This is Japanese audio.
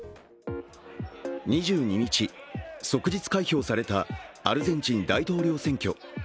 ２２日、即日開票されたアルゼンチン大統領選挙。